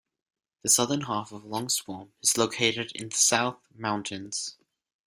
The southern half of Longswamp is located in the South Mountains.